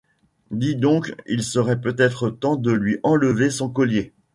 Dis donc, il serait peut-être temps de lui enlever son collier.